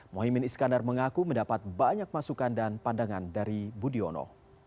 mohaimin iskandar mengaku mendapat banyak masukan dan pandangan dari budiono